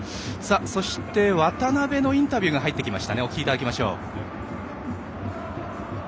そして、渡邊のインタビューが入ってきました。